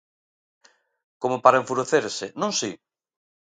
Como para enfurecerse, non si?